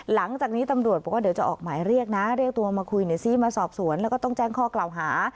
หลังจากนี้ตำรวจบอกว่าเดี๋ยวจะออกหมายเรียกนะเรียกตัวมาคุยหน่อยซิมาสอบสวนแล้วก็ต้องแจ้งข้อกล่าวหา